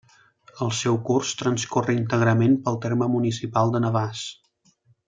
El seu curs transcorre íntegrament pel terme municipal de Navars.